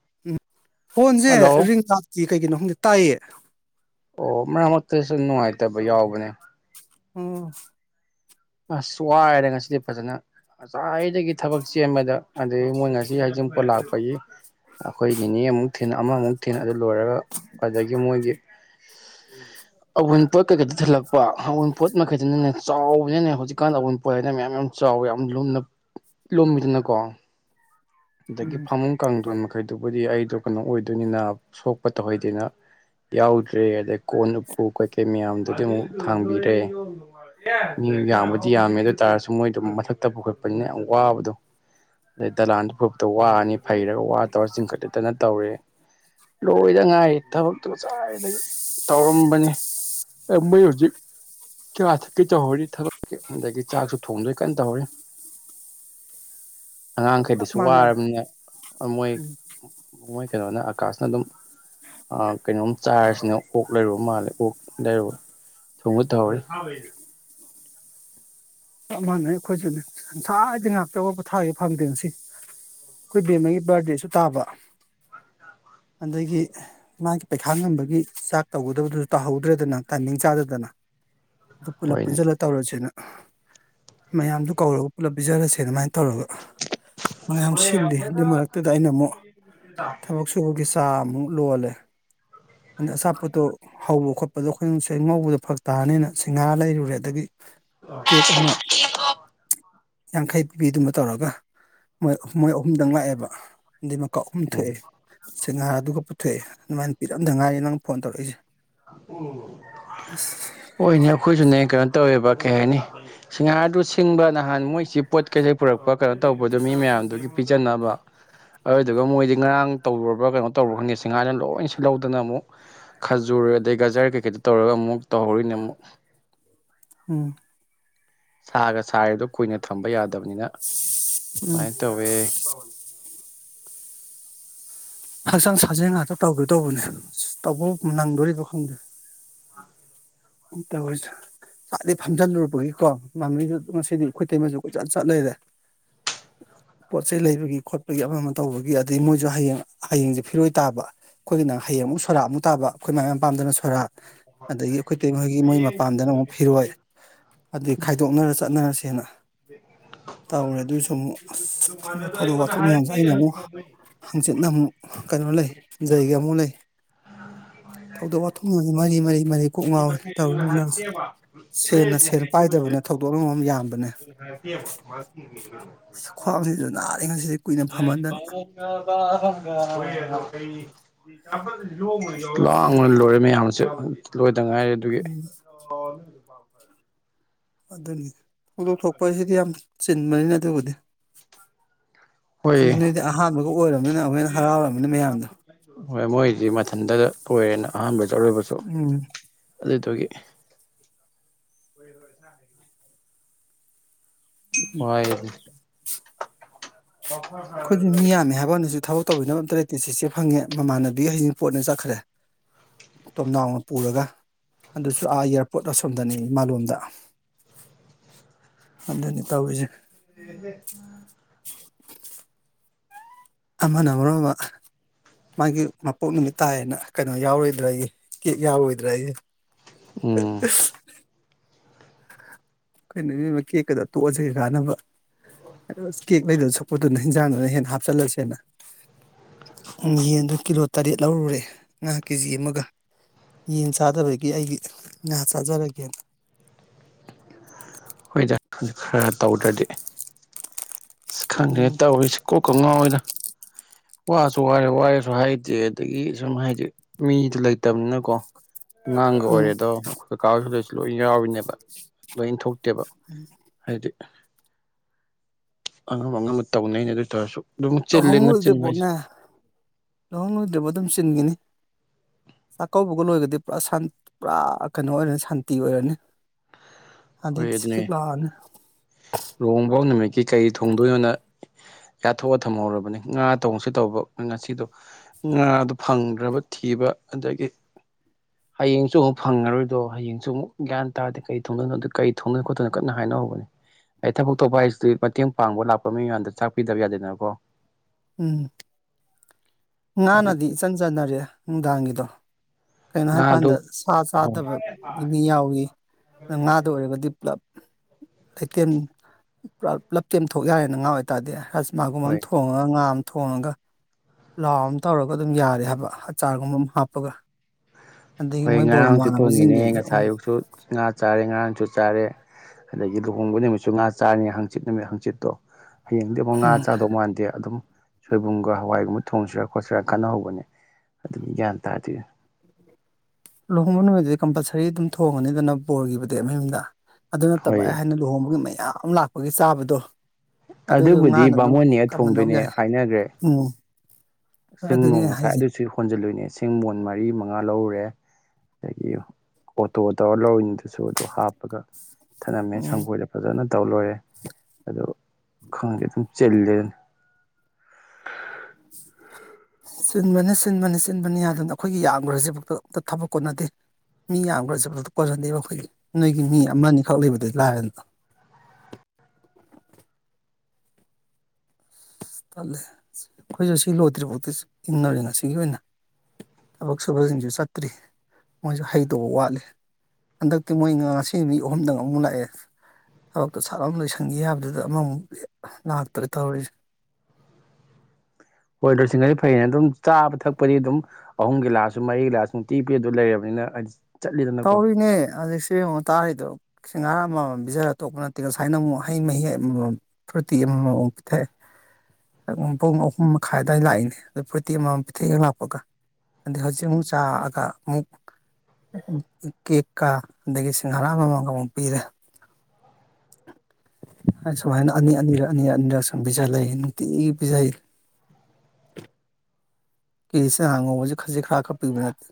[inaudible] ꯐꯣꯟꯁꯦ hello ring ꯀꯥꯞꯀꯤꯤ ꯀꯩꯒꯤꯅꯣ ꯈꯪꯗ ꯇꯥꯏꯌꯦ ꯑꯣ ꯃꯌꯥꯝ ꯃꯛꯇꯁꯨ ꯅꯨꯡꯉꯥꯏꯇꯕ ꯌꯥꯎꯕꯅꯦ ꯎꯝ ꯑꯁ ꯋꯥꯏꯔꯦ ꯉꯁꯤꯗꯤ ꯐꯖꯅ ꯉꯁꯥꯏꯗꯒꯤ ꯊꯕꯛ ꯆꯦꯟꯕꯗ ꯑꯗꯨꯗꯒꯤ ꯃꯣꯏ ꯉꯁꯤ ꯍꯖꯤꯡꯄꯣꯠ ꯂꯥꯛꯄꯒꯤ ꯑꯩꯈꯣꯏ ꯅꯤꯅꯦ ꯑꯃꯨꯛ ꯊꯤꯟ ꯑꯃꯃꯨꯛ ꯊꯤ ꯑꯗꯨ ꯂꯣꯏꯔꯒ ꯑꯗꯒꯤ ꯃꯣꯏꯒꯤ ꯑꯍ ꯄꯣꯛ ꯀ ꯀꯩꯇ ꯊꯂ ꯀꯣ ꯑꯎꯟꯄꯣꯠ ꯃꯈꯩꯁꯤꯅꯅꯦ ꯆꯥꯎꯕꯅꯅꯦ ꯍꯧꯖꯤꯛꯀꯥꯟꯗ ꯑꯎꯟꯄꯣꯠꯅ ꯃꯌꯥꯝ ꯌꯥꯝ ꯆꯥꯎꯋꯤ ꯌꯥꯝ ꯂꯨꯝꯅ ꯂꯨꯝꯃꯤꯗꯅꯀꯣ ꯑꯗꯒꯤ ꯎꯝ ꯐꯃꯨꯡ ꯀꯥꯡꯗꯣꯟ ꯃꯈ ꯀꯩꯗꯨꯕꯨꯗꯤ ꯑꯩꯗꯣ ꯀꯩꯅꯣ ꯑꯣꯏꯗꯣꯏꯅꯤꯅ ꯁꯣꯛꯄ ꯇꯧꯍꯩꯗꯣꯏꯅ ꯌꯥꯎꯗ꯭ꯔꯦ ꯑꯗꯩ ꯀꯣꯟ ꯎꯞꯄꯨ ꯀꯩꯀꯩ ꯃꯌꯥꯝꯗꯨꯗꯤ ꯑꯃꯨꯛ ꯊꯥꯡꯕꯤꯔꯦ ꯃꯤ ꯌꯥꯝꯕꯗꯤ ꯌꯥꯝꯃꯦ ꯑꯗꯨ ꯑꯣꯏꯇꯥꯥꯔꯁꯨ ꯃꯣꯏꯗꯣ ꯃꯊꯛꯇ ꯄꯨꯈꯠꯄꯅꯤꯅ ꯌꯥꯝ ꯋꯥꯕꯗꯣ ꯑꯗꯩ ꯗꯂꯥꯟ ꯐꯨꯞꯇ ꯋꯥꯅꯤ ꯐꯩꯔꯒ ꯋꯥ ꯇꯧꯔ ꯆꯤꯡꯈꯠꯂꯦꯇꯅ ꯇꯧꯔꯦ ꯂꯣꯏꯗ ꯉꯥꯏ ꯊꯕꯛꯇꯣꯁꯥꯏꯗꯒꯤ ꯇꯧꯔꯝꯕꯅꯤ ꯃꯣꯏ ꯍꯧꯖꯤꯛ ꯀꯥ ꯊꯛꯀꯤ ꯇꯧꯍꯧꯔꯤ ꯊꯕ ꯑꯗꯒꯤ ꯆꯥꯛꯁꯨ ꯊꯣꯡꯗꯩ ꯀꯟꯅ ꯇꯧꯍꯧꯔꯤ ꯆꯞ ꯑꯉꯥꯡꯈꯩꯗꯁꯨ ꯃꯥꯟꯅꯔꯦ ꯋꯥꯔꯕꯅ ꯃꯣꯏ ꯎꯝ ꯃꯣꯏ ꯀꯩꯅꯣꯅ ꯑꯀꯥꯁꯅ ꯑꯗꯨꯝ ꯑ ꯀꯩꯅꯣꯝ ꯆꯥꯏꯔꯁꯤꯅ ꯑꯣꯛ ꯂꯩꯔꯨꯕ ꯃꯥꯜꯂꯦ ꯑꯣꯛ ꯂꯩꯔꯨꯕ ꯊꯨꯝꯕ ꯇꯧꯍꯔꯤ ꯃꯥꯅꯦ ꯑꯩꯈꯣꯏꯁꯨꯅꯦ [unintelligible] ꯊꯥꯒꯦ ꯐꯪꯗꯦ ꯁꯤ ꯑꯩꯈꯣꯏ ꯕꯦꯝꯃꯒꯤ ꯕꯥꯔꯗꯦꯁꯨ ꯇꯥꯕ ꯑꯗꯒꯤ ꯃꯥꯒꯤ ꯄꯩꯈꯥ ꯉꯝꯕꯒꯤ ꯆꯥꯛ ꯇꯧꯒꯗꯕꯗꯨꯁꯨ ꯇꯥꯍꯧꯗ꯭ꯔꯦꯗꯅ ꯇꯥꯏꯃꯤꯡ ꯆꯥꯗꯗꯅ ꯑꯗꯨ ꯄꯨꯂꯞ ꯍꯣꯏꯅꯦ ꯄꯨꯟꯁꯤꯜꯂ ꯇꯧꯔꯁꯤꯦꯅ ꯑ ꯃꯌꯥꯝꯗꯨ ꯀꯧꯔꯒ ꯄꯨꯂꯞ ꯄꯤꯖꯔꯁꯦ ꯑꯗꯨꯃꯥꯏꯅ ꯇ ꯇꯧꯔꯒ ꯃꯌꯥꯝ ꯁꯤꯜꯂꯤ ꯑꯗꯨꯏ ꯃꯔꯛꯇꯨꯗ ꯑꯩꯅ ꯑꯃꯨꯛ ꯊꯕꯛ ꯁꯨꯕꯒꯤ ꯆꯥ ꯑꯃꯨꯛ ꯂꯣꯜꯂꯦ ꯑꯗ ꯑꯆꯥꯄꯣꯠꯇꯣ ꯍꯧꯕ ꯈꯣꯠꯄꯗꯣ ꯑꯩꯈꯣꯏꯅ ꯅꯨꯡ ꯁꯦꯡ ꯉꯧꯕꯗꯣ ꯐꯛ ꯇꯥꯔꯅꯤꯅ ꯁꯤꯡꯒꯥꯥꯔ ꯂꯩꯔꯨꯔꯦ ꯑꯗꯒꯤ ꯀꯦꯛ ꯑꯃ ꯌꯥꯡꯈꯩ ꯄꯤꯕꯤꯗꯨꯃ ꯇꯧꯔꯒ ꯃꯣꯏ ꯃꯣꯏ ꯑꯍꯨꯝꯗꯪ ꯂꯥꯛꯑꯦꯕ ꯃꯀꯥ ꯑꯍꯨꯝ ꯎꯝ ꯊꯣꯛꯑꯦ ꯁꯤ ꯉꯥ ꯑꯗꯨꯒꯒ ꯄꯨꯊꯣꯛꯑꯦ ꯑꯗꯨꯃꯥꯏꯅ ꯄꯤꯔꯛꯑꯗꯥꯏꯔꯤ ꯅꯪꯅ ꯐꯣꯟ ꯇꯧꯔꯛꯏꯁꯦ ꯎ ꯑꯁ ꯍꯣꯏꯅꯦ ꯑꯩꯈꯣꯏꯁꯨꯅꯦ ꯀꯩꯅꯣ ꯇꯧꯋꯦꯕ ꯀꯩ ꯍꯥꯏꯅꯤ ꯁꯤꯡꯍꯥꯔꯗꯨ ꯁꯤꯡꯕ ꯅꯍꯥꯟ ꯃꯣꯏꯁꯤ ꯄꯣꯠ ꯀꯩꯀꯩ ꯄꯨꯔꯛꯄ ꯀꯩꯅꯣ ꯇꯧꯕꯗꯣ ꯃꯤ ꯃꯌꯥꯝꯗꯨꯒꯤ ꯄꯤꯖꯅꯕ ꯑꯗꯨꯗꯨꯒ ꯃꯣꯏꯗꯤ ꯉꯔꯥꯡ ꯇꯧꯔꯨꯔꯕ ꯀꯩꯅꯣ ꯇꯧꯔ ꯈꯅꯤ ꯁꯤꯡꯍꯥꯔꯅ ꯂꯣꯏꯁꯨ ꯂꯧꯗꯅ ꯑꯃꯨꯛ ꯈꯥꯖꯨꯔ ꯑꯗꯩ ꯒꯖꯥꯔ ꯀꯩꯀꯩꯗ ꯇꯧꯔꯒ ꯑꯃꯨꯛ ꯇꯧꯍꯧꯔꯤꯅꯦ ꯑꯃꯨꯛ ꯎꯝ ꯁꯥꯒ ꯁꯥꯥꯏꯔꯤꯗꯣ ꯀꯨꯏꯅ ꯊꯝꯕ ꯌꯥꯗ ꯌꯥꯗꯕꯅꯤꯅ ꯎꯝ ꯗꯃꯥꯏꯅ ꯇꯧꯋꯦ [inaudible] ꯍꯛꯆꯥꯡ ꯁꯥꯖꯦꯜ ꯉꯥꯛꯇ ꯇꯧꯒꯦ ꯇꯧꯕꯅꯦ ꯇꯧꯕ ꯅꯪꯗꯣꯔꯤꯕꯣ ꯈꯪꯗꯦ ꯇꯧꯔꯤꯁꯦ ꯉꯁꯥꯢꯗꯩ ꯐꯝꯖꯜꯂꯨꯕꯒꯤꯀꯣ ꯃꯃꯤꯁꯨ ꯉꯁꯤꯗꯤ ꯑꯩꯈꯣꯏ ꯇꯩꯃꯁꯨ ꯀꯣꯏꯆꯠ ꯆꯠ ꯂꯩꯔꯦ ꯄꯣꯠ ꯆꯩꯩ ꯂꯩꯕꯒꯤ ꯈꯣꯠꯄꯒꯤ ꯑꯃ ꯑꯃ ꯇꯧꯕꯒꯤ ꯑꯗꯩ ꯃꯣꯏꯁꯨ ꯍꯌꯦꯡ ꯍꯌꯦꯡꯁꯦ ꯐꯤꯔꯣꯏ ꯇꯥꯕ ꯑꯩꯈꯣꯏꯒꯤꯅꯪ ꯍꯌꯦꯡ ꯑꯃꯨꯛ ꯁꯣꯔꯥ ꯑꯃꯨꯛ ꯇꯥꯕ ꯑꯩꯈꯣꯏ ꯃꯥꯢ ꯃꯄꯥꯝꯗꯅ ꯁꯣꯔꯥꯠ ꯑꯗꯒꯤ ꯑꯩꯈꯣꯏꯇꯩ ꯃꯣꯏꯒꯤ ꯃꯣꯏ ꯃꯄꯥꯝꯗꯅ ꯑꯃꯨꯛ ꯐꯤꯔꯣꯏ ꯑꯗꯨꯢ ꯈꯥꯏꯗꯣꯛꯅꯔ ꯆꯠꯅꯔꯁꯦꯅ ꯇꯧꯔꯦ ꯑꯗꯨꯁꯨ ꯑꯃꯨꯛ ꯑꯁ ꯈꯪꯗꯦ ꯊꯧꯗꯣꯛ ꯋꯥꯊꯣꯛ ꯃꯌꯥꯝꯁꯦ ꯑꯩꯅ ꯑꯃꯨꯛ ꯍꯪꯆꯤꯠꯅ ꯑꯃꯨꯛ ꯀꯩꯅꯣ ꯂꯩꯖꯩꯒ ꯑꯃꯨꯛ ꯂꯩ ꯊꯧꯗꯣꯛ ꯋꯥꯊꯣꯛ ꯃꯅꯤ ꯃꯔꯤ [unintelligible] [unintelligible] ꯃꯔꯤ ꯀꯣꯛ ꯉꯥꯎꯋꯤ ꯇꯧꯔꯤꯕ ꯁꯦꯟꯅ ꯁꯦꯟ ꯄꯥꯏꯗꯕꯅꯦ ꯊꯧꯗꯣꯛꯅ ꯃꯔꯣꯝ ꯌꯥꯝꯕꯅꯦ ꯑꯁ ꯈ꯭ꯋꯥꯡꯁꯤꯁꯨ ꯅꯥꯔꯦ ꯉꯁꯤꯗꯤ ꯀꯨꯏꯅ ꯐꯝꯃꯟꯗꯅ [unintelligible] ꯂꯥꯡꯅ ꯂꯣꯏꯔꯦ ꯃꯌꯥꯝꯁꯦ ꯂꯣꯏ ꯎꯝ ꯃꯥ ꯐꯦ ꯑꯗꯨꯅꯤ ꯊꯧꯗꯣꯛ ꯊꯣꯛꯄ ꯍꯥꯏꯁꯤꯗꯤ ꯌꯥꯝ ꯆꯤꯟꯕꯅꯤꯅ ꯑꯗꯨꯕꯨꯗꯤ ꯑꯗꯨ ꯍꯣꯏ ꯅꯣꯏꯗꯤ ꯑꯍꯥꯟꯕꯒ ꯑꯣꯏꯔꯕꯅꯤꯅ ꯑꯃꯨꯀ ꯍꯦꯟꯅ ꯍꯔꯥꯎꯔꯃꯤꯅꯤ ꯃꯌꯥꯝꯗꯣ ꯍꯣꯏ ꯃꯣꯏꯁꯤ ꯃꯊꯟꯇ ꯑꯣꯏꯔꯦꯅ ꯑꯍꯥꯟꯕꯗ ꯑꯔꯣꯢꯕꯁꯨ ꯎꯝ ꯑꯗꯨꯗꯨꯒꯤ ꯑꯣꯏ ꯍꯥꯏ ꯋꯥꯢꯗꯤ ꯑꯩꯈꯣꯏꯁꯨ ꯃꯤ ꯌꯥꯝꯃꯦ ꯍꯥꯏꯕꯋꯥꯅꯤꯁꯨ ꯊꯕꯛ ꯇꯧꯕꯤꯅꯕ ꯑꯝꯇ ꯂꯩꯇꯦ ꯁꯤꯁꯦ ꯐꯪꯉꯦ ꯃꯃꯥꯟꯅꯕꯤ ꯍꯩꯁꯤꯡ ꯄꯣꯠꯅ ꯆꯠꯈ꯭ꯔꯦ ꯇꯣꯝꯅꯥꯎꯅ ꯄꯨꯔꯒ ꯑꯗꯨꯁꯨ ꯑꯥ ꯏꯌꯥꯔꯄꯣꯔꯠ ꯑꯁꯣꯝꯗꯅꯤ ꯏꯃꯥꯂꯣꯝꯗ ꯑꯗꯨꯅꯤ ꯇꯧꯔꯤꯁꯦ [inaudible] [inaudible] ꯑꯃꯅ ꯃꯔꯣꯝꯃ ꯃꯥꯒꯤ ꯃꯄꯣꯛ ꯅꯨꯃꯤꯠ ꯇꯥꯏꯌꯦꯅ ꯀꯩꯅꯣ ꯌꯥꯎꯔꯣꯏꯗ꯭ꯔꯒꯤ ꯀꯦꯛ ꯌꯥꯎꯔꯣꯏꯗ꯭ꯔꯒꯤ ꯑꯪ ꯀꯩꯅꯣ ꯏꯕꯦꯝꯃꯥ ꯀꯦꯛꯀꯗ ꯇꯣꯛꯑꯁꯤ ꯀꯥꯟꯅꯕ ꯑꯗꯣ ꯀꯦꯛ ꯂꯩꯗꯨꯅ ꯁꯣꯛꯄꯗꯨꯅ ꯏꯟꯖꯥꯡꯗꯨꯅ ꯍꯦꯟꯅ ꯍꯥꯞꯆꯤꯜꯂꯁꯦꯅ ꯌꯦꯟꯗꯣ ꯀꯤꯂꯣ ꯇꯔꯦꯠ ꯂꯧꯔꯨꯔꯦ ꯉꯥ ꯀꯦꯖꯤ ꯑꯃꯒ ꯌꯦꯟ ꯆꯥꯗꯕꯒꯤ ꯑꯩꯒꯤ ꯉꯥ ꯆꯥꯖꯔꯒꯦꯅ ꯍꯣꯏꯗ ꯈꯔ ꯇꯧꯗ꯭ꯔꯗꯤ ꯈꯪꯗ꯭ꯔꯦ ꯎꯝ ꯇꯧꯋꯔꯤꯁꯦ ꯀꯣꯛꯀ ꯉꯥꯎꯏꯅ ꯋꯥꯁꯨ ꯋꯥꯔꯦ ꯋꯥꯔꯦꯁꯨ ꯍꯥꯏꯗꯦ ꯑꯗꯨꯗꯒꯤ ꯁꯨꯝ ꯍꯥꯏꯗꯤ ꯃꯤꯗꯨ ꯂꯩꯇꯕꯅꯤꯅꯀꯣ ꯑꯉꯥꯡꯒ ꯎꯝ ꯑꯣꯏꯔꯦꯗꯣ ꯑꯩꯈꯣꯏ ꯀꯀꯥ ꯂꯩ ꯂꯣꯏ ꯌꯥꯎꯔꯤꯅꯦꯕ ꯂꯣꯏ ꯇꯦꯕ ꯍꯥꯏꯗꯤ ꯑꯉꯝ ꯑꯉꯝꯕ ꯇꯧꯅꯩꯩꯅꯤ ꯑꯗꯨ ꯑꯣꯏ ꯇꯧꯔꯁꯨ ꯂꯨꯍꯣꯡꯂꯣꯏꯗ꯭ꯔꯤꯕꯣꯅꯦ ꯂꯨꯍꯣꯡꯉꯣꯏꯗ꯭ꯦꯕꯣꯠ ꯑꯗꯨꯝ ꯆꯤꯟꯒꯤꯅꯤ ꯆꯥꯛꯀꯧꯕꯒ ꯂꯣꯏꯒꯗꯤ ꯄꯨꯔꯥ ꯁꯟ ꯄꯨꯔꯥ ꯀꯩꯅꯣ ꯑꯣꯏꯔꯅꯤ ꯁꯥꯟꯇꯤ ꯑꯣꯏꯔꯅꯤ ꯑꯗꯩ ꯍꯣꯏ ꯆꯤꯛ ꯑꯗꯨꯅꯦ ꯆꯤꯛ ꯂꯥꯎꯔꯅꯤ ꯂꯣꯍꯣꯡꯕꯥꯎ ꯅꯨꯃꯤꯠꯀꯤ ꯀꯩ ꯊꯣꯡꯗꯣꯏꯅꯣꯅ ꯌꯥꯊꯣꯛꯑ ꯊꯝꯍꯧꯔꯕꯅꯤ ꯉꯥ ꯇꯣꯡꯁꯦ ꯇꯧꯕ ꯉꯁꯤꯗꯣ ꯍ ꯉꯥꯗꯨ ꯐꯪ ꯐꯔꯕ ꯊꯤꯕ ꯑꯗꯒꯤ ꯍꯌꯦꯡꯁꯨ ꯑꯃꯨꯛ ꯐꯪꯉꯔꯣꯏꯗꯣ ꯍꯌꯦꯡꯁꯨ ꯑꯃꯨꯛ ꯒ꯭ꯌꯥꯟ ꯇꯥꯗꯦ ꯀꯩ ꯊꯣꯡꯗꯣꯏꯅꯣꯗ ꯀꯩ ꯊꯣꯡꯅꯣ ꯈꯣꯠꯇꯣꯏꯅ ꯀꯟꯅ ꯍꯥꯏꯅꯍꯧꯕꯅꯦ ꯑꯩ ꯊꯕꯛ ꯊꯣꯛꯄ ꯍꯥꯏꯁꯤꯗꯤ ꯃꯇꯦꯡ ꯄꯥꯡꯕ ꯂꯥꯛꯄ ꯃꯤ ꯃꯌꯥꯝꯗ ꯆꯥꯛ ꯄꯤꯗꯕ ꯌꯥꯗꯦꯗꯅꯀꯣ ꯎꯝ ꯍꯥꯏꯗꯤ ꯉꯥꯅꯗꯤ ꯏꯆꯟ ꯆꯅꯔꯦ ꯅꯨꯡꯗꯥꯡꯒꯤꯗꯣ ꯀꯩꯅꯣ ꯍꯥꯏꯀꯥꯟꯗ ꯉꯥꯗꯣ ꯁꯥ ꯍꯣꯏ ꯆꯥꯗꯕ ꯃꯤ ꯃꯤ ꯌꯥꯎꯏ ꯅꯪ ꯉꯥꯗꯣ ꯑꯣꯏꯔꯒꯗꯤ ꯄꯨꯂꯞ ꯂꯩꯇꯦꯝ ꯄꯨꯔ ꯄꯨꯂꯞꯇꯦꯝ ꯊꯣꯛ ꯌꯥꯔꯦꯅ ꯉꯥ ꯍꯥꯏꯇꯥꯔꯗꯤ ꯃꯥꯒꯨꯝ ꯃꯥꯝ ꯍꯣꯏ ꯊꯣꯡꯉ ꯉꯥꯝ ꯊꯣꯡꯉꯒ ꯄꯂꯥꯎ ꯑꯝ ꯇꯧꯔꯒ ꯑꯗꯨꯝ ꯌꯥꯔꯦ ꯍꯥꯏꯕ ꯑꯆꯥꯔꯒꯨꯝꯕ ꯑꯝ ꯍꯥꯞꯄꯒ ꯑꯗꯒꯤ ꯍꯣꯏ ꯃꯣꯏ ꯕꯣꯔ ꯉꯔꯥꯡꯖꯨ ꯊꯣꯡꯉꯤꯅꯦ ꯃꯃꯥꯟꯅꯕꯁꯤꯡꯒꯤꯁꯨ ꯉꯁꯥꯏ ꯎꯝ ꯑꯌꯨꯛꯁꯨ ꯉꯥ ꯆꯥꯔꯦ ꯉꯔꯥꯡꯁꯨ ꯆꯥꯔꯦ ꯑꯗꯒꯤ ꯂꯨꯍꯣꯡꯕꯩ ꯅꯨꯃꯤꯠꯁꯨ ꯉꯥ ꯆꯥꯔꯅꯤ ꯍꯥꯡꯆꯤꯠ ꯅꯨꯃꯤꯠ ꯍꯥꯡꯆꯤꯠꯇꯣ ꯍꯌꯦꯡꯗꯤ ꯑꯃꯨꯛ ꯉꯥ ꯆꯥꯗꯧ ꯃꯥꯟꯗꯦ ꯑꯗꯨꯝ ꯁꯣꯏꯕꯨꯝꯒ ꯍꯋꯥꯏꯒꯨꯝꯕ ꯊꯣꯡꯁꯤꯔꯥ ꯈꯣꯠꯁꯤꯔꯥ ꯈꯟꯅꯍꯧꯕꯅꯦ ꯑꯗꯨꯅꯤ ꯒ꯭ꯌꯥꯟ ꯇꯥꯗꯦ ꯂꯨꯍꯣꯡꯕ ꯅꯨꯃꯤꯠꯗꯨꯗꯤ ꯀꯝꯄꯜꯁꯔꯤ ꯑꯗꯨꯝ ꯊꯣꯡꯉꯅꯤꯗꯅ ꯕꯣꯔꯒꯤꯕꯨꯗꯤ ꯃꯌꯨꯝꯗ ꯑꯗꯨ ꯅꯠꯇꯕ ꯑꯩ ꯍꯣꯏ ꯍꯥꯏꯅ ꯂꯨꯍꯣꯡꯕꯒꯤ ꯃꯩ ꯌꯥꯝ ꯂꯥꯛꯄꯒꯤ ꯆꯥꯕꯗꯣ ꯑꯗꯨꯗꯣ ꯑꯗꯨꯕꯨꯗꯤ ꯉꯥꯅ ꯑꯗꯨꯝ ꯕꯥꯃꯣꯟ ꯅꯦꯛꯑ ꯀꯃꯟꯅꯧ ꯊꯣꯡꯗꯣꯏꯅꯦ ꯌꯥꯏ ꯍꯥꯏꯅꯒ꯭ꯔꯦ ꯎꯝ ꯍꯣꯏ ꯁꯤꯡ ꯑꯗꯨꯅꯦ ꯅꯣꯡ ꯑꯩ ꯉꯁꯥꯏ ꯍꯥꯏꯁꯦ ꯗꯨꯏꯁꯨ ꯍꯣꯟꯖꯤꯜꯂꯨꯏꯅꯦ ꯁꯤꯡ ꯃꯣꯟ ꯃꯔꯤ ꯃꯉꯥ ꯂꯧꯔꯨꯔꯦ ꯑꯗꯒꯤ ꯑꯣꯇꯣ ꯇꯧꯔ ꯂꯧꯔꯤꯅꯤ ꯗꯨꯁꯨ ꯑꯗꯨ ꯍꯥꯞꯄꯒ ꯊꯅꯝꯃꯦ ꯎꯝ ꯁꯡꯒꯣꯏꯗ ꯐꯖꯅ ꯇꯧ ꯂꯣꯏꯔꯦ ꯑꯗꯣ ꯈꯪꯗꯦ ꯑꯗꯨꯝ ꯆꯤꯜꯂꯦ ꯁꯤꯟꯕꯅꯦ ꯁꯤꯟꯕꯅꯦ ꯆꯤꯟꯕꯅꯦ ꯌꯥꯗꯝꯅꯦ ꯑꯈꯣꯏꯒꯤ ꯌꯥꯝꯒ꯭ꯔꯖꯤ ꯕꯨꯛꯇ ꯇ ꯊꯕꯛ ꯀꯣꯟꯅꯗꯦ ꯃꯤ ꯌꯥꯝꯒ꯭ꯔꯁꯦꯕꯧꯗ ꯀꯣꯟꯅꯗꯦꯕ ꯑꯈꯣꯏꯒꯤ ꯅꯣꯏꯒꯤ ꯃꯤ ꯑꯃꯅꯤꯈꯛ ꯂꯩꯕꯗꯨ ꯂꯥꯏꯔꯗꯅ ꯇꯜꯂꯦ ꯈꯣꯏꯖꯨ ꯁꯤ ꯂꯣꯏꯠꯇ꯭ꯔꯤꯐꯥꯎꯗꯤ ꯏꯟꯅꯔꯦ ꯉꯁꯤꯒꯤ ꯑꯣꯏꯅ ꯊꯕꯛ ꯁꯨꯕꯁꯤꯡꯁꯨ ꯆꯠꯇ꯭ꯔꯤ ꯃꯣꯏꯁꯨ ꯍꯩꯗꯧꯕ ꯋꯥꯠꯂꯤꯦ ꯍꯟꯗꯛꯇꯤ ꯃꯣꯏ ꯉ ꯉꯁꯤ ꯃꯤ ꯑꯍꯨꯝꯗꯪ ꯑꯃꯨꯛ ꯂꯥꯛꯑꯦ ꯊꯕꯛꯇꯣ ꯁꯥꯠ ꯂꯣꯏꯁꯟꯒꯦ ꯌꯥꯕꯗꯨꯗ ꯑꯃꯃꯨꯛ ꯂꯦꯞ ꯂꯥꯛꯇ꯭ꯔꯦ ꯇꯧꯔꯤꯖꯦ ꯍꯣꯏ ꯂꯣꯏꯁꯤꯡꯒꯗꯤ ꯐꯩꯅꯦ ꯑꯗꯨꯝ ꯆꯥꯕ ꯊꯛꯄꯗꯤ ꯑꯗꯨꯝ ꯑꯍꯨꯝꯒꯤ ꯂꯥꯑꯁꯨ ꯃꯔꯤꯒꯤ ꯂꯥꯑꯁꯨ ꯅꯨꯡꯇꯤ ꯄꯤꯗꯨ ꯂꯩꯔꯕꯅꯤꯅ ꯑꯁ ꯇꯧꯔꯤꯅꯦ ꯑꯁ ꯌꯦꯡꯉꯣ ꯇꯥꯔꯤꯗꯣ ꯁꯤꯡꯍꯔꯥ ꯑꯃꯃꯝ ꯄꯤꯖꯔ ꯑꯇꯣꯞꯄ ꯅꯠꯇꯦ ꯉꯁꯥꯏꯅ ꯑꯃꯨꯛ ꯍꯩ ꯃꯍꯤ ꯑꯃꯃꯝ ꯐꯨꯔꯇꯤ ꯑꯃꯃꯝ ꯑꯣ ꯄꯤꯊꯛꯑꯦ ꯑ ꯄꯨꯡ ꯑꯍꯨꯝ ꯃꯈꯥꯏ ꯑꯋꯥꯏ ꯂꯥꯛꯏꯅꯦ ꯑꯗꯨ ꯐꯨꯔꯇꯤ ꯑꯃꯃꯝ ꯄꯤꯊꯦꯡ ꯂꯥꯛꯄꯒ ꯑꯗꯩ ꯍꯧꯖꯤꯛ ꯑꯃꯨꯛ ꯆꯥꯛꯑꯒ ꯑꯃꯨꯛ ꯎꯝ ꯀꯦꯛꯀ ꯑꯗꯒꯤ ꯁꯤꯡꯍꯔꯥ ꯑꯃꯃꯥꯝꯒ ꯑꯃꯨꯛ ꯄꯤꯔꯦ ꯁꯨꯃꯥꯏꯅ ꯑꯅꯤ ꯑꯅꯤꯔꯛ ꯑꯅꯤ ꯑꯅꯤꯔꯛ ꯁꯨꯝ ꯄꯤꯖꯂꯩ ꯅꯨꯡꯇꯤꯒꯤ ꯄꯤꯖꯩ ꯀꯤꯂꯤ ꯆꯥꯅ ꯉꯧꯕꯖꯨ ꯈꯖꯤꯛ ꯈꯔꯛ ꯀ ꯄꯤꯕ ꯅꯠꯇꯦ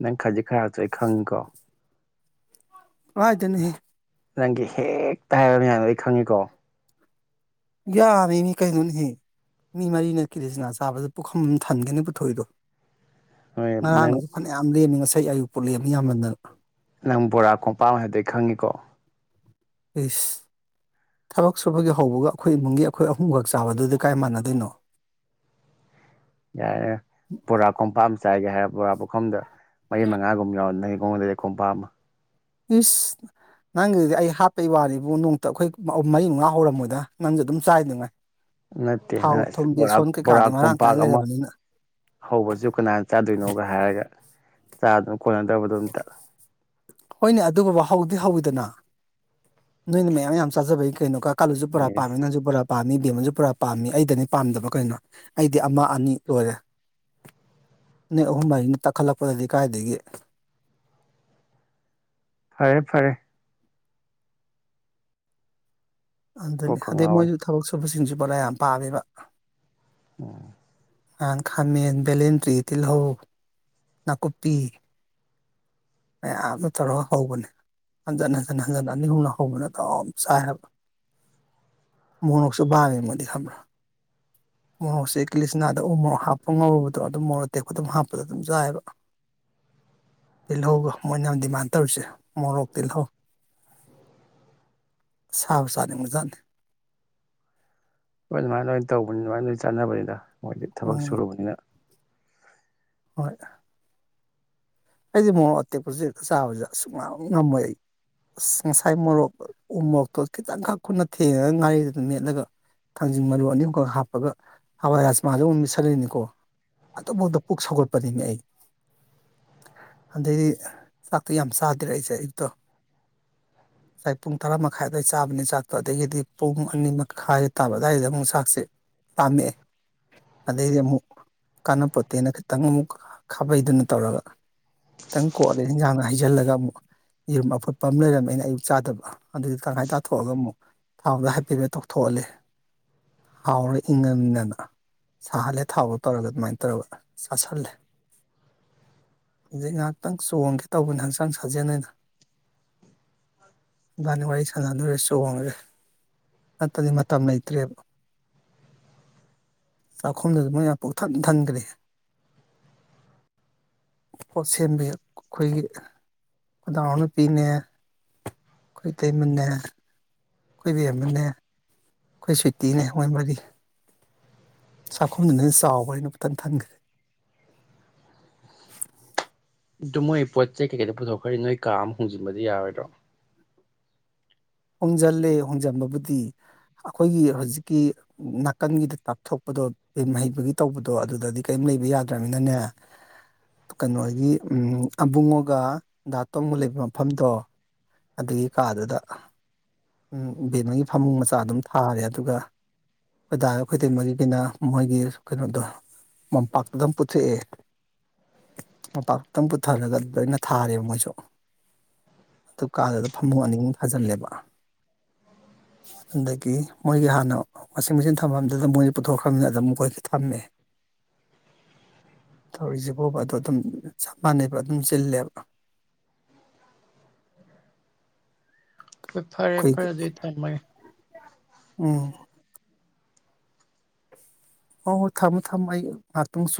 ꯅꯪ ꯈꯖꯤꯛ ꯈꯔꯛꯇꯣ ꯑꯩ ꯈꯪꯉꯤꯀꯣ ꯑꯥꯏꯗꯩꯅꯣ ꯍꯦ ꯅꯪꯒꯤ ꯍꯦꯛꯇ ꯍꯥꯏꯕ ꯃꯌꯥꯝꯗꯣ ꯑꯩ ꯈꯪꯉꯤꯀꯣ ꯌꯥꯔꯦꯅꯤ ꯀꯩꯅꯣꯅꯀꯍꯦ ꯃꯤ ꯃꯔꯤꯅ ꯀꯤꯜꯂꯤꯆꯅꯥ ꯆꯥꯕꯗ ꯄꯨꯈꯝ ꯊꯟꯒꯩꯅꯤ ꯄꯨꯊꯣꯛꯏꯗꯣ ꯅꯣꯏ ꯉꯔꯥꯡ ꯅꯪ ꯑꯗꯨ ꯐꯅꯌꯥꯝ ꯂꯦꯝꯃꯤꯉ ꯏꯁꯩ ꯑꯌꯨꯛ ꯄꯠꯂꯕ ꯌꯥꯝꯃꯟꯅ ꯅꯪ ꯕꯣꯔꯥ ꯀꯣꯡꯝꯄꯥꯝ ꯍꯥꯏꯗꯤ ꯈꯪꯉꯤꯀꯣ ꯄꯁ ꯊꯕꯛ ꯁꯨꯕꯒꯤ ꯍꯧꯕꯒ ꯑꯩꯈꯣꯏ ꯏꯃꯨꯡꯒꯤ ꯑꯩꯈꯣꯏ ꯑꯍꯨꯝꯈꯛ ꯆꯥꯕꯗꯨꯗꯤ ꯀꯥꯏ ꯃꯥꯟꯅꯗꯣꯏꯅꯣ ꯌꯥꯏꯦ ꯄꯨꯕꯣꯔꯥ ꯀꯣꯄꯥꯝ ꯆꯥꯏꯒꯦ ꯍꯥꯏ ꯕꯣꯔꯥ ꯄꯨꯝꯗ ꯃꯩ ꯃꯉꯥꯒꯨꯝꯕ ꯌꯥꯎ ꯃꯣꯡꯣꯟꯗ ꯑꯩ ꯈꯣꯝ ꯄꯥꯝꯃ ꯏꯁ ꯅꯪꯒꯤꯗꯨꯗꯤ ꯑꯩ ꯍꯥꯞꯄꯩ ꯋꯥꯔꯤꯕ ꯅꯣꯡꯇ ꯑꯩꯈꯣꯏ ꯃꯔꯤ ꯃꯉꯥ ꯍꯧꯔꯝꯃꯣꯏꯗ ꯅꯪꯁꯨ ꯑꯗꯨꯝ ꯆꯥꯏꯗꯨꯉꯥꯏ ꯅꯠꯇꯦ ꯊꯥꯎ ꯅꯪ ꯊꯨꯝ ꯕꯣꯔꯥꯛ ꯕꯦꯁꯣꯟ ꯀꯩꯀꯥꯗꯤ ꯕꯣꯔꯥꯛ ꯃꯔꯥꯡ ꯀꯥꯏ ꯀꯣꯝꯄꯥꯛ ꯑꯃ ꯂꯩꯔꯕꯅꯤꯅ ꯍꯧꯕꯁꯨ ꯀꯅꯥꯅ ꯆꯥꯗꯣꯏꯅꯣꯒ ꯍꯥꯏꯔꯒ ꯆꯥ ꯑꯗꯨ ꯀꯣꯟꯅꯗꯕꯗꯣ ꯑꯝꯇ ꯍꯣꯏꯅꯦ ꯑꯗꯨꯒꯕ ꯍꯧꯗꯤ ꯍꯧꯋꯤꯗꯅ ꯅꯣꯏꯅ ꯃꯌꯥꯝ ꯌꯥꯝ ꯆꯥꯖꯕꯩ ꯀꯩꯅꯣ ꯀꯥ ꯀꯥꯂꯨꯁꯨ ꯄꯨꯔꯥ ꯑꯦꯁ ꯄꯥꯃꯤꯅꯁꯨ ꯄꯨꯔꯥ ꯄꯥꯝꯃꯤ ꯕꯦꯝꯃꯁꯨ ꯄꯨꯔꯥ ꯄꯥꯝꯃꯤ ꯑꯩꯗꯅꯤ ꯄꯥꯝꯗꯕ ꯀꯩꯅꯣ ꯑꯩꯗꯤ ꯑꯃ ꯑꯅꯤ ꯂꯣꯏꯔꯦ ꯑꯅꯤ ꯑꯍꯨꯝ ꯃꯔꯤꯅꯤ ꯇꯛꯈꯠꯂꯛꯄꯗꯗꯤ ꯀꯥꯏꯗꯒꯤ ꯐꯔꯦ ꯐꯔꯦ ꯑꯗꯨꯅꯤ ꯀꯣꯛꯀ ꯑꯗꯩ ꯉꯥꯎꯋꯦ ꯃꯣꯏꯁꯨ ꯊꯕꯛꯁ ꯑꯇꯣꯞꯄꯁꯤꯡꯁꯤꯁꯨ ꯄꯨꯂꯥ ꯌꯥꯝ ꯄꯥꯝꯃꯦꯕ ꯑꯣ ꯅ ꯈꯃꯦꯟ ꯕꯂꯟ꯭ꯔꯤꯇꯂ ꯍꯣ ꯅꯥꯀꯨꯞꯄꯤ ꯃꯌꯥꯝ ꯑꯃ ꯇꯧꯔꯒ ꯍꯧꯕꯅꯦ ꯍꯟꯖꯟ ꯍꯟꯖꯤꯟ ꯍꯟꯖꯟ ꯑꯅꯤꯍꯨꯝꯅ ꯍꯧꯕꯅ ꯑꯗꯨꯝ ꯆꯥꯏ ꯍꯥꯏꯕ ꯃꯣꯔꯣꯛꯁꯨ ꯄꯥꯝꯃꯦ ꯃꯗꯤ ꯈꯪꯕ꯭ꯔꯥ ꯃꯣꯔꯣꯛꯁꯦ ꯀꯂꯤꯆꯅꯥꯗ ꯎ ꯃꯣꯔꯣꯛ ꯍꯥꯞꯄ ꯉꯧꯔꯨꯕꯗꯣ ꯑꯗꯨꯝ ꯃꯣꯔꯣꯛ ꯇꯦꯛꯄ ꯑꯗꯨꯝ ꯍꯥꯞꯄꯗ ꯑꯗꯨꯝ ꯆꯥꯏꯑꯕ ꯇꯤꯜꯍꯧꯒ ꯃꯣꯏꯅ ꯑꯃ ꯗꯤꯃꯥꯟ ꯇꯧꯔꯤꯁꯦ ꯃꯣꯔꯣꯛ ꯇꯤꯜꯍꯧ ꯁꯥꯕ ꯆꯥꯠꯅꯤ ꯃꯨꯖꯥꯠꯅꯤ ꯍꯣꯏ ꯑꯗꯨꯃꯥꯏꯅ ꯑꯣꯏꯅ ꯇꯧꯕꯅꯤ ꯑꯗꯨꯃꯥꯏꯅ ꯆꯥꯟꯅꯕꯅꯤꯗ ꯃꯣꯏꯗꯤ ꯊꯕꯛ ꯎꯝ ꯁꯨꯨꯔꯨꯕꯅꯤꯅ ꯍꯣꯏ ꯑꯩꯗꯤ ꯃꯣꯔꯣꯛ ꯑꯇꯦꯛꯄꯁꯤꯦꯛꯇ ꯆꯥꯕꯁꯤꯗ ꯑꯁꯨꯛ ꯉ ꯉꯝꯃꯣꯏ ꯑꯩ ꯑꯁ ꯉꯁꯥꯏ ꯃꯣꯔꯣꯛ ꯎ ꯃꯣꯔꯣꯛꯇꯣ ꯈꯤꯇꯪꯈꯛ ꯈꯨꯠꯅ ꯊꯦꯡꯉꯒ ꯉꯥꯔꯤꯗꯨꯗ ꯃꯦꯠꯂꯒ ꯊꯥꯡꯖꯤꯡ ꯃꯔꯨ ꯑꯅꯤ ꯑꯃꯨꯝꯈꯛ ꯍꯥꯞꯄꯒ ꯍꯋꯥꯏ ꯍꯖꯃꯥꯗꯨ ꯑꯃ ꯃꯠꯁꯜꯂꯤꯅꯤꯀꯣ ꯑꯗꯨꯐꯥꯎꯗ ꯄꯨꯛ ꯁꯧꯒꯠꯄꯅꯤꯅꯦ ꯑꯩ ꯑꯗꯩꯗꯤ ꯆꯥꯛꯇꯣ ꯌꯥꯝ ꯆꯥꯗ꯭ꯔꯦ ꯑꯩꯁꯦ ꯑꯌꯨꯛꯇꯣ ꯉꯁꯥꯏ ꯄꯨꯡ ꯇꯔꯥ ꯃꯈꯥꯏ ꯑ ꯑꯗꯨꯋꯥꯏ ꯆꯥꯕꯅꯤ ꯆꯥꯛꯇꯣ ꯑꯗꯒꯤꯗꯤ ꯄꯨꯡ ꯑꯅꯤ ꯃꯈꯥꯏ ꯇꯥꯕ ꯑꯗꯨꯋꯥꯏꯗ ꯑꯃꯨꯛ ꯆꯥꯛꯁꯦ ꯄꯥꯝꯃꯛꯑꯦ ꯑꯗꯩꯗꯤ ꯑꯃꯨꯛ ꯀꯥꯅꯕꯄꯣꯠꯇꯦꯅ ꯈꯤꯇꯪ ꯑꯃꯨꯛ ꯈꯥꯕꯩꯗꯨꯅ ꯇꯧꯔꯒ ꯈꯤꯇꯪ ꯀꯣꯠꯂꯦ ꯏꯟꯖꯥꯡꯅ ꯍꯩꯖꯤꯜꯂꯒ ꯑꯃꯨꯛ ꯌꯦꯔꯨꯝ ꯑꯐꯨꯠꯄ ꯑꯃ ꯂꯩꯔꯝꯃꯦ ꯑꯩꯅ ꯑꯌꯨꯛ ꯆꯥꯗꯕ ꯑꯗꯨꯗꯤ ꯇꯉꯥꯏ ꯇꯥꯊꯣꯛꯑꯒ ꯑꯃꯨꯛ ꯊꯥꯎꯗ ꯍꯥꯏꯐꯦꯠ ꯇꯧꯊꯣꯛꯍꯜꯂꯦ ꯍꯥꯎꯔ ꯏꯪꯉꯅꯤꯗꯅ ꯁꯥꯍꯜꯂꯦ ꯊꯥꯎꯗꯣ ꯇꯧꯔꯒ ꯑꯗꯨꯃꯥꯏꯅ ꯇꯧꯔꯒ ꯆꯥꯥꯁꯜꯂꯦ ꯍꯧꯖꯤꯛ ꯉꯥꯏꯍꯥꯛꯇꯪ ꯆꯣꯡꯒꯦ ꯇꯧꯕꯅꯤ ꯍꯛꯆꯥꯡ ꯁꯥꯖꯦꯜꯅ ꯍꯕꯥꯅꯤ ꯋꯥꯔꯤ ꯁꯥꯟꯅꯗꯨꯔꯦ ꯆꯣꯡꯉ꯭ꯔꯦ ꯅꯠꯇꯗꯤ ꯃꯇꯝ ꯂꯩꯇ꯭ꯔꯦꯕ ꯆꯥꯛꯈꯨꯝꯗꯨꯁꯨ ꯃꯣꯏ ꯉ ꯄꯣꯛꯊꯟ ꯊꯟꯈ꯭ꯔꯦ ꯄꯣꯠꯁꯦꯟꯕꯤ ꯑꯩꯈꯣꯏꯒꯤ ꯈꯨꯣꯏꯗꯥꯡ ꯅꯨꯨꯄꯤꯅꯦ ꯑꯩꯣꯏꯇꯩ ꯃꯦ ꯍꯥꯏ ꯑꯩꯈꯣꯏꯕꯤ ꯑꯦꯝ ꯑꯦꯜ ꯑꯦ ꯑꯩꯈꯣꯏ ꯁꯨꯇꯤꯅꯦ ꯃꯣꯏ ꯃꯔꯤ ꯆꯥꯛꯈꯨꯝꯗꯨꯅ ꯆꯥꯎꯕ ꯍꯥꯏꯅ ꯇꯪ ꯊꯟꯈ꯭ꯔꯦ ꯑꯗꯨ ꯃꯣꯏ ꯄꯣꯠ ꯆꯩ ꯀꯩꯀꯩꯗ ꯄꯨꯊꯣꯛꯈ꯭ꯔꯦ ꯅꯣꯏ ꯀꯥ ꯑꯃ ꯍꯣꯡꯖꯤꯟꯕꯗꯤ ꯌꯥꯔꯣꯏꯗ꯭ꯔꯣ ꯍꯣꯡꯖꯤꯜꯂꯦ ꯍꯣꯡꯖꯟꯕꯕꯨꯗꯤ ꯑꯩꯈꯣꯏꯒꯤ ꯍꯧꯖꯤꯛꯀꯤ ꯅꯥꯀꯟꯒꯤꯗ ꯇꯥꯞꯊꯣꯛꯄꯗꯣ ꯍꯩꯕꯒꯤ ꯇꯧꯕꯗꯣ ꯑꯗꯨꯗꯗꯤ ꯀꯔꯤꯝ ꯂꯩꯕ ꯌꯥꯗ꯭ꯔꯅꯤꯅꯅꯦ ꯀꯩꯅꯣꯒꯤ ꯑꯕꯨꯡꯉꯒ ꯗꯥ ꯇꯣꯡꯕ ꯂꯩꯕ ꯃꯐꯝꯗꯣ ꯑꯗꯨꯒꯤ ꯀꯥꯗꯨꯗ ꯕꯠꯃꯒꯤ ꯐꯃꯨꯡ ꯃꯆꯥ ꯑꯗꯨꯝ ꯊꯥꯔꯦ ꯑꯗꯨꯒ ꯈꯣꯏꯗꯥꯔ ꯈꯣꯏꯗꯃꯔꯤꯒꯤꯅ ꯃꯣꯏꯒꯤ ꯀꯩꯅꯣꯗꯣ ꯃꯝꯄꯥꯛꯇꯨꯗꯪ ꯄꯨꯊꯣꯛꯑꯦ ꯃꯝꯄꯥꯛꯇꯇꯪ ꯄꯨꯊꯔꯒ ꯂꯣꯏꯅ ꯊꯥꯔꯦꯕ ꯃꯣꯏꯁꯨ ꯑꯗꯨ ꯀꯥꯟꯗꯨꯗ ꯐꯃꯨꯡ ꯑꯅꯤ ꯊꯥꯖꯤꯜꯂꯦꯕ ꯑꯗꯒꯤ ꯃꯣꯏꯒꯤ ꯍꯥꯟꯅ ꯋꯥꯁꯤꯡ ꯃꯦꯆꯤꯟ ꯊꯝꯐꯝꯗꯨꯗ ꯃꯣꯏꯁꯦ ꯄꯨꯊꯣꯛꯈ꯭ꯔꯕꯅꯤꯅ ꯑꯗꯨꯝ ꯑꯩꯈꯣꯏ ꯊꯝꯃꯦ ꯊꯧꯔꯤꯁꯤ ꯐꯥꯎꯕ ꯑꯗꯨꯗꯣ ꯑꯗꯨꯝ ꯆꯞ ꯃꯥꯟꯅꯩꯕ ꯑꯗꯨꯝ ꯆꯤꯜꯂꯦꯕ ꯍꯣꯏ ꯐꯔꯦ ꯐꯔꯦ ꯑꯩꯈꯣꯏꯒꯤ ꯑꯗꯨꯗꯤ ꯊꯝꯃꯒꯦ ꯎꯝ ꯑꯣ ꯍꯣꯏ ꯊꯝꯃꯃꯦ ꯊꯝꯃ ꯑꯩꯥꯛꯇ